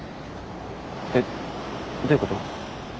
えっどういうこと？